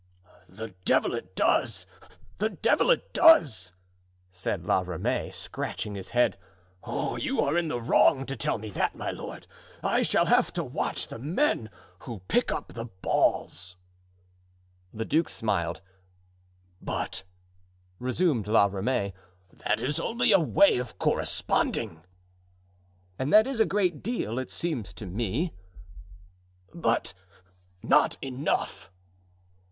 "The devil it does! The devil it does!" said La Ramee, scratching his head; "you are in the wrong to tell me that, my lord. I shall have to watch the men who pick up balls." The duke smiled. "But," resumed La Ramee, "that is only a way of corresponding." "And that is a great deal, it seems to me." "But not enough."